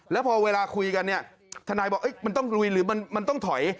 แล้วพอเวลาคุยกันเนี่ยทนายบอกมันต้องลุยหรือมันต้องถอย